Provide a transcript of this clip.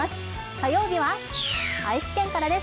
火曜日は愛知県からです。